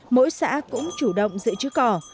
mỗi xã cũng chủ động giữ chứa cỏ